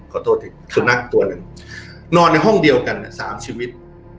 ขอโทษทีสุนัขตัวหนึ่งนอนในห้องเดียวกัน๓ชีวิต